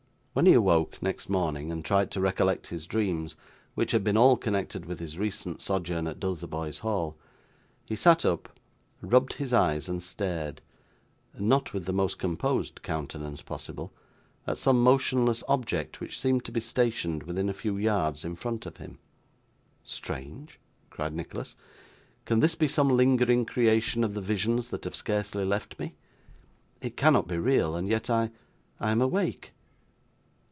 When he awoke next morning, and tried to recollect his dreams, which had been all connected with his recent sojourn at Dotheboys Hall, he sat up, rubbed his eyes and stared not with the most composed countenance possible at some motionless object which seemed to be stationed within a few yards in front of him. 'Strange!' cried Nicholas; 'can this be some lingering creation of the visions that have scarcely left me! It cannot be real and yet I I am awake!